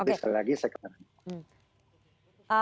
tapi sekali lagi saya kebenaran